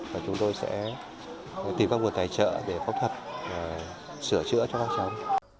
và chúng tôi sẽ tìm các nguồn tài trợ để có thật sửa chữa cho các cháu